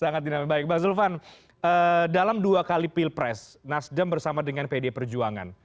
sangat dinami baik bang zulfan dalam dua kali pilpres nasdem bersama dengan pd perjuangan